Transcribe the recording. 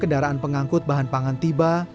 kendaraan pengangkut bahan pangan tiba